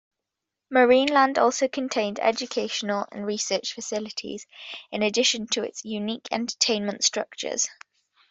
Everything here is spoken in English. Marineland also contained educational and research facilities in addition to its unique entertainment structures.